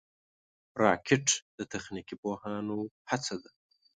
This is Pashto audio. راکټ د تخنیکي پوهانو هڅه ده